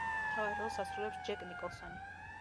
მთავარ როლს ასრულებს ჯეკ ნიკოლსონი.